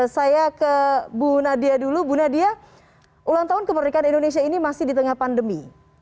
saya ke bu nadia dulu bu nadia ulang tahun kemerdekaan indonesia ini masih di tengah pandemi